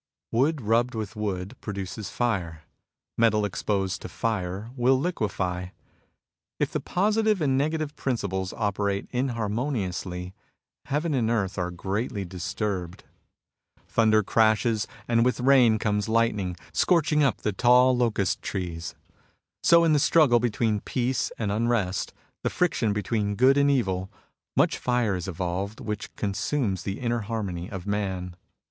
Wood rubbed with wood produces fire. Metal exposed to fire will liquefy. If the Positive and Negative principles operate inharmoniously, heaven and earth are greatly disturbed. Thunder FREEDOM FOR THE MIND 107 crashes, and with rain comes lightning, scorching^ up the tall locust trees. ... So in the struggle between peace and unrest, the friction between good and evil, much fire is evolved which con sumes the inner harmony of man.